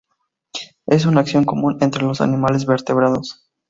Es una acción común entre los animales vertebrados.